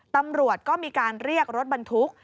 ตำรวจก็มีการเรียกรถบรรทุก